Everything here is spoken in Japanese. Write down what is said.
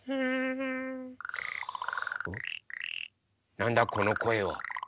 なんだこのこえは。